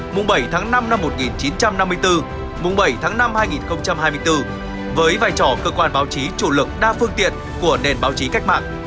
mùng bảy tháng năm năm một nghìn chín trăm năm mươi bốn mùng bảy tháng năm hai nghìn hai mươi bốn với vai trò cơ quan báo chí chủ lực đa phương tiện của nền báo chí cách mạng